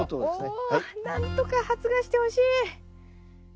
おなんとか発芽してほしい。